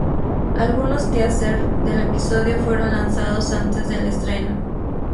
Algunos teaser del episodio fueron lanzados antes del estreno.